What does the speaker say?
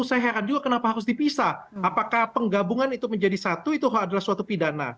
saya heran juga kenapa harus dipisah apakah penggabungan itu menjadi satu itu adalah suatu pidana